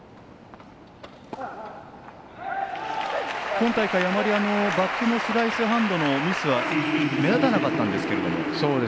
今大会、あまりバックのスライスハンドのミスは目立たなかったんですけれども。